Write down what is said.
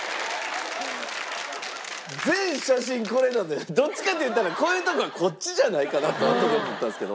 全写真これなんでどっちかっていうたらこういうとこはこっちじゃないかなってあとで思ったんですけど。